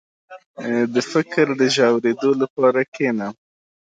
• د فکر د ژورېدو لپاره کښېنه.